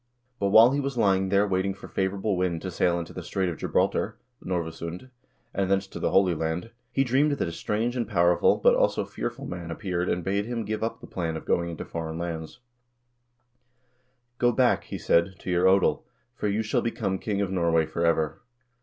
" But while he was lying there waiting for favorable wind to sail into the Strait of Gibraltar (Norvasund), and thence to the Holy Land, he dreamed that a strange and powerful, but also fearful man appeared and bade him give up the plan of going into foreign lands: "Go back," he said, "to your odel, for you shall become king of Norway forever."